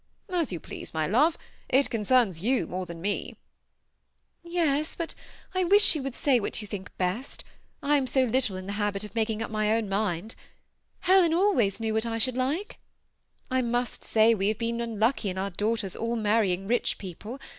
" As you please, my love ; it concerns you more than me." " Yes, but I wish you would say what you think best; 62 THE SEMI ATTACHED COUPLE. I am 80 little in the habit of making up mj own mind. Helen always knew what I should like. I must say we have been unlucky in our daughters all marrying rich people.